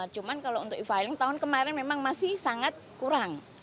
cuma kalau untuk e filing tahun kemarin memang masih sangat kurang